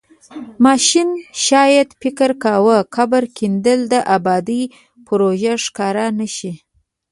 ماشین شاید فکر کاوه قبر کیندل د ابادۍ پروژه ښکاره نشي.